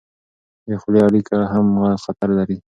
د خولې اړیکه هم خطر لري.